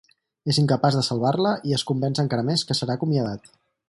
És incapaç de salvar-la i es convenç encara més que serà acomiadat.